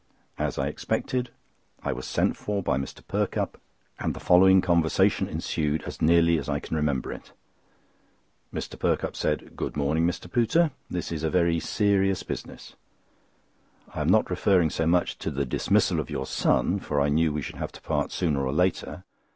As I expected, I was sent for by Mr. Perkupp, and the following conversation ensued as nearly as I can remember it. Mr. Perkupp said: "Good morning, Mr. Pooter! This is a very serious business. I am not referring so much to the dismissal of your son, for I knew we should have to part sooner or later.